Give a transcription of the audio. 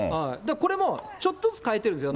これもちょっとずつ変えているんですよ。